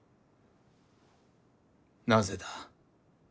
なぜだ？